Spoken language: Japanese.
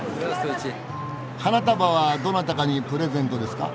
花束はどなたかにプレゼントですか？